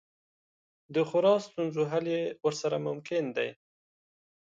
د خورا ستونزو حل یې ورسره ممکن دی.